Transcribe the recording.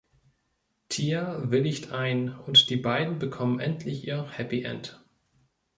Tia willigt ein und die beiden bekommen endlich ihr Happy End.